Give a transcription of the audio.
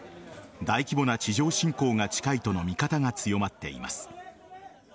大規模な地上侵攻が近いとの見方が強まっています。